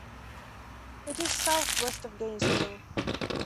It is southwest of Gainesville.